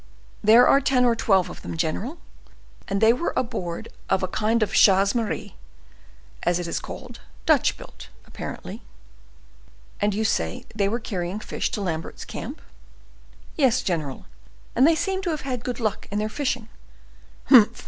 "There are ten or twelve of them, general, and they were aboard of a kind of chasse maree, as it is called—Dutch built, apparently." "And you say they were carrying fish to Lambert's camp?" "Yes, general, and they seem to have had good luck in their fishing." "Humph!